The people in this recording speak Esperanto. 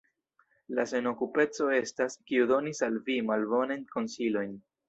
La senokupeco estas, kiu donis al vi malbonajn konsilojn.